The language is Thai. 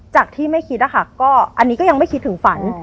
จากที่ไม่คิดนะคะก็อันนี้ก็ยังไม่คิดถึงฝัน